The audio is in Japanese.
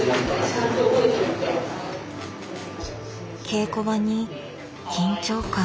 稽古場に緊張感。